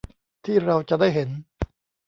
ที่เราจะได้เห็น